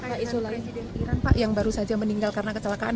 terkait dengan presiden iran pak yang baru saja meninggal karena kecelakaan